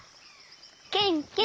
ケンケンパ。